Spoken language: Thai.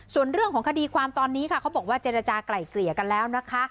ส่วนเรื่องของคดีความตอนนี้ค่ะเขาบอกว่าเจรจากลายเกลี่ยกันแล้วนะคะ